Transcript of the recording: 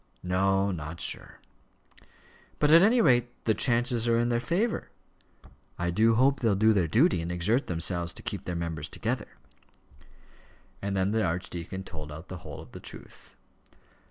"No; not sure." "But at any rate the chances are in their favour? I do hope they'll do their duty, and exert themselves to keep their members together." And then the archdeacon told out the whole of the truth.